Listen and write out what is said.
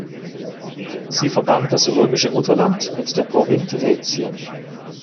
Sie verband das römische Mutterland mit der Provinz Raetien.